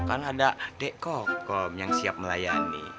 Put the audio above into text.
kan ada dekokom yang siap melayani